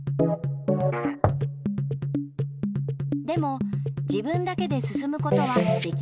でも自分だけですすむことはできません。